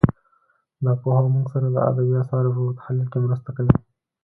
دا پوهه موږ سره د ادبي اثارو په تحلیل کې مرسته کوي